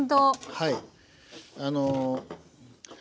はい。